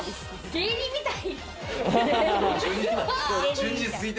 芸人みたい。